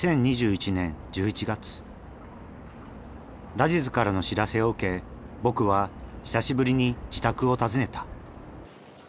ラジズからの知らせを受け僕は久しぶりに自宅を訪ねた。